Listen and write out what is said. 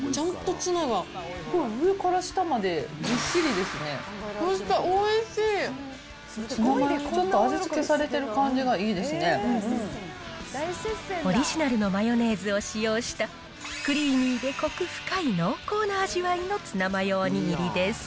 ツナマヨにちょっと味付けさオリジナルのマヨネーズを使用した、クリーミーでこく深い濃厚な味わいのツナマヨお握りです。